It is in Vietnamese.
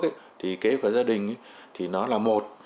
kế hoạch hóa gia đình là một